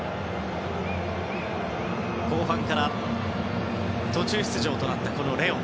後半から途中出場となったレオン。